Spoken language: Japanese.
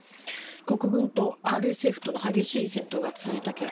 国軍とＲＳＦとの激しい戦闘が続いた結果